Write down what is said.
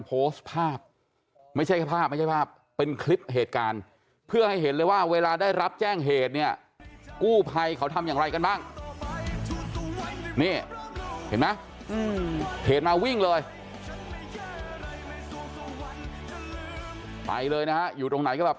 ภาพไม่ใช่ภาพไม่ใช่ว่าเป็นคลิปเหตุการณ์เพื่อให้เห็นเลยว่าเวลาได้รับแจ้งเหตุเนี่ยกู้ภัยเขาทำอย่างไรกันบ้าง